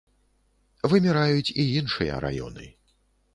Выміраюць і іншыя раёны.